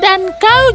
dan kau jelas